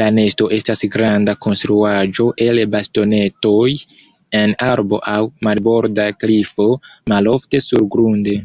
La nesto estas granda konstruaĵo el bastonetoj en arbo aŭ marborda klifo; malofte surgrunde.